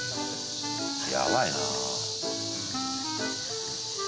やばいな。